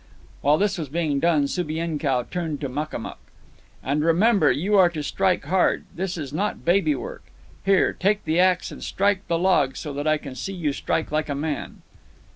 While this was being done, Subienkow turned to Makamuk. "And remember, you are to strike hard. This is not baby work. Here, take the axe and strike the log, so that I can see you strike like a man."